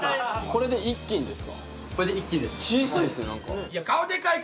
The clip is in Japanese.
これで一斤です。